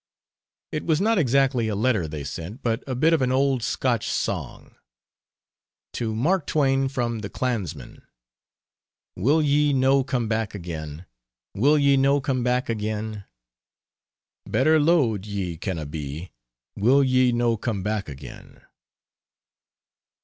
It was not exactly a letter they sent, but a bit of an old Scotch song "To Mark Twain from The Clansmen. Will ye no come back again, Will ye no come back again? Better lo'ed ye canna be. Will ye no come back again?"